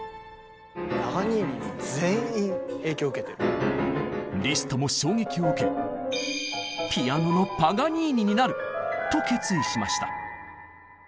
パガニーニにリストも衝撃を受け「ピアノのパガニーニになる」と決意しました。